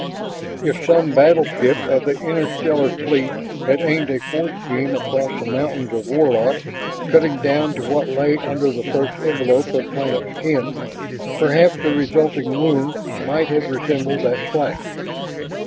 If some battleship of the interstellar fleet had aimed a force beam across the mountains of Warlock, cutting down to what lay under the first envelope of planet skin, perhaps the resulting wound might have resembled that slash.